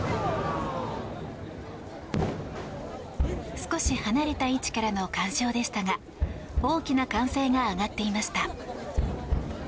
少し離れた位置からの観賞でしたが大きな歓声が上がっていました。